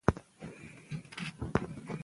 امکان لري پوهه ژوره شي.